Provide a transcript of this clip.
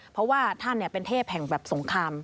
เพราะว่าท่านเป็นเทพแห่งแบบสงคราม